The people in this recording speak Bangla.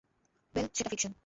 ওয়েল সেটা ফিকশন।